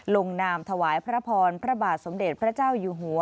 ลงนามถวายพระพรพระบาทสมเด็จพระเจ้าอยู่หัว